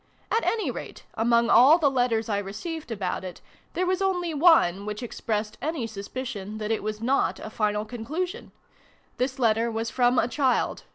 At any rate, among all the letters I received about it, there was only one which expressed any sus picion that it was not a final conclusion. This letter was from a child.